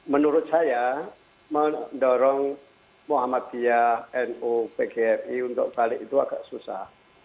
menurut saya mendorong muhammadiyah nu pgri untuk balik itu agak susah